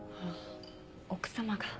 奥様が。